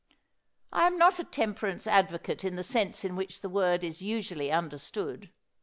I am not a temperance advocate in the sense in which the word is usually understood.